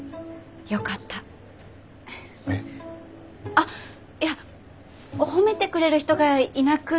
あっいや褒めてくれる人がいなくなったら。